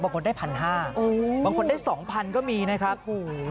บางคนได้พันห้าบางคนได้สองพันก็มีนะครับโอ้โห